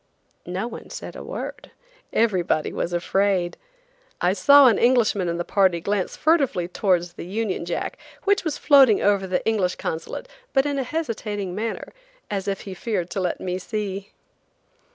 No one said a word. Everybody was afraid! I saw an Englishman in the party glance furtively towards the Union Jack, which was floating over the English Consulate, but in a hesitating manner, as if he feared to let me see.